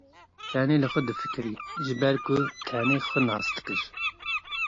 Tenê li xwe difikirî, ji ber ku tenê xwe nas dikir.